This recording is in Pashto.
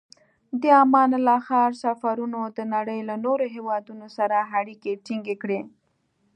د امان الله خان سفرونو د نړۍ له نورو هېوادونو سره اړیکې ټینګې کړې.